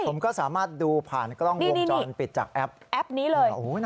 ผมก็สามารถดูผ่านกล้องวงจรปิดจากแอปแอปนี้เลย